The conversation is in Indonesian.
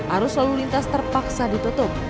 arus lalu lintas terpaksa ditutup